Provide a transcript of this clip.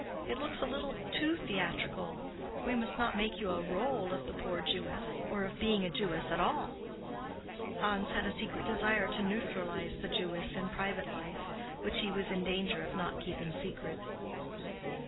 "It looks a little too theatrical. We must not make you a rôle of the poor Jewess—or of being a Jewess at all." Hans had a secret desire to neutralize the Jewess in private life, which he was in danger of not keeping secret.